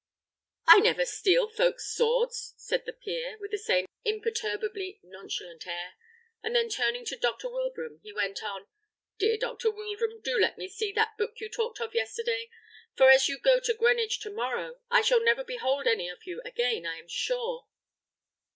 "I never steal folk's swords!" said the peer, with the same imperturbably nonchalant air; and then turning to Dr. Wilbraham, he went on: "Dear Dr. Wilbraham, do let me see that book you talked of yesterday; for as you go to Greenwich to morrow, I shall never behold any of you again, I am sure."